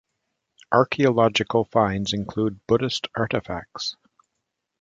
Archaeological finds include Buddhist artifacts.